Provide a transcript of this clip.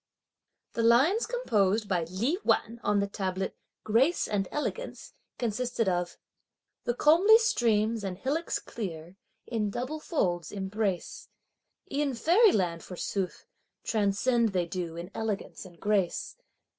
The lines composed by Li Wan on the tablet "grace and elegance," consisted of: The comely streams and hillocks clear, in double folds, embrace; E'en Fairyland, forsooth, transcend they do in elegance and grace!